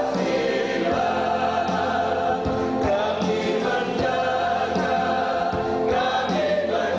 berkasa bangga silam